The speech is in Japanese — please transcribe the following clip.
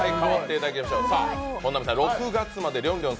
本並さん、６月までりょんりょん